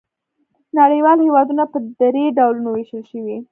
نړیوال هېوادونه په درې ډولونو وېشل شوي.